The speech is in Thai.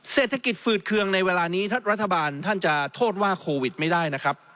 เศรษฐกิจฝืดเคืองในเวลานี้รัฐบาลท่านจะโทษว่าโควิดไม่ได้นะครับ